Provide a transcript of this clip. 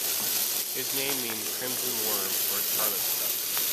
His name means "Crimson worm" or "scarlet stuff.